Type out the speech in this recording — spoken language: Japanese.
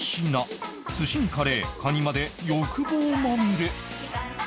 寿司にカレーカニまで欲望まみれ